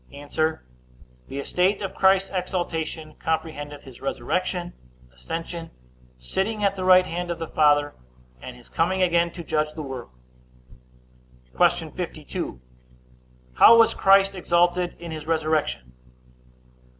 A. The estate of Christ's exaltation comprehendeth his resurrection, ascension, sitting at the right hand of the Father, and his coming again to judge the world. Q. 52. How was Christ exalted in his resurrection?